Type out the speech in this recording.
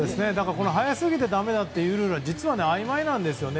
早すぎてだめだというルールはあいまいなんですよね。